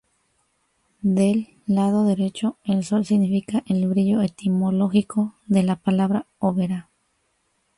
Del lado derecho, el sol significa el brillo etimológico de la palabra Oberá.